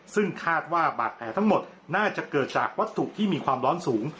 ซึ่งคาดว่าบาดแผลทั้งหมดน่าจะเกิดจากวัตถุที่มีความร้อนสูง